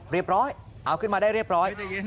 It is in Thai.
เรียบร้อยเอาขึ้นมาได้เรียบร้อย